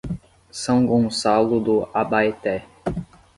São Gonçalo do Abaeté